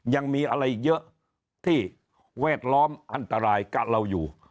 ยังมีอะไรเยอะที่แวดล้อมอันตรายกับเราอยู่